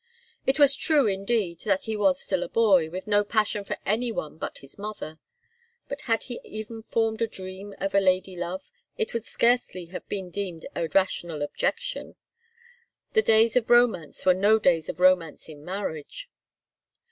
It was true, indeed, that he was still a boy, with no passion for any one but his mother; but had he even formed a dream of a ladye love, it would scarcely have been deemed a rational objection. The days of romance were no days of romance in marriage.